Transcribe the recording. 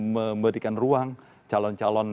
memberikan ruang calon calon